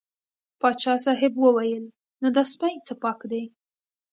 پاچا صاحب وویل نو دا سپی څه پاک دی.